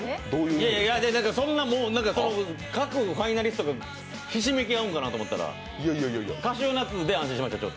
そんなもう、各ファイナリストがひしめき合うんかなと思ったらカシューナッツでちょっと安心しました。